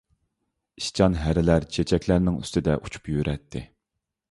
ئىشچان ھەرىلەر چېچەكلەرنىڭ ئۈستىدە ئۇچۇپ يۈرەتتى.